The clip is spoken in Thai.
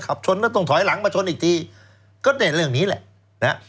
ชนแล้วต้องถอยหลังมาชนอีกทีก็ได้เรื่องนี้แหละนะฮะ